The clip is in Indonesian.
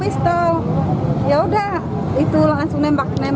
perkembangan dengan tur filler